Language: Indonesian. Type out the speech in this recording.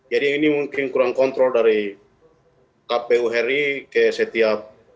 jadi ini mungkin kurang kontrol dari kpu heri ke setiap